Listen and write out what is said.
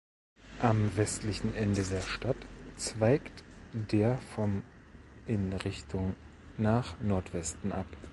Am westlichen Ende der Stadt zweigt der vom in Richtung nach Nordwesten ab.